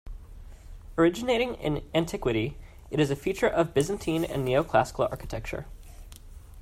Originating in antiquity, it is a feature of Byzantine and Neoclassical architecture.